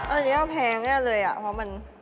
อันนี้แพงแน่เลยอะเพราะมัน